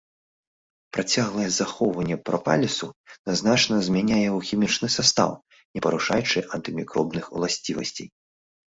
Працяглае захоўванне пропалісу нязначна змяняе яго хімічны састаў, не парушаючы антымікробных уласцівасцей.